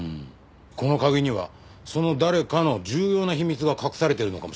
この鍵にはその「誰か」の重要な秘密が隠されてるのかもしれませんね。